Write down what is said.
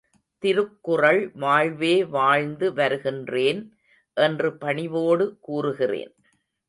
திருக்குறள் வாழ்வே வாழ்ந்து வருகின்றேன் என்று பணிவோடு கூறுகிறேன்.